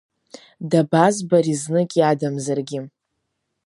Дабазбари знык иадамзаргьы?